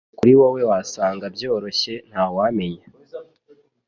Kuri wowe wasanga byoroshye ntawamenya